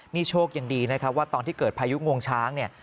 นี่โชคยังดีนะครับว่าตอนที่เกิดพายุงวงช้างเนี่ย